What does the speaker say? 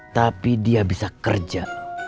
tapi dia bisa kerja